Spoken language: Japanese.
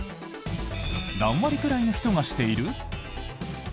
何割くらいの人がしている？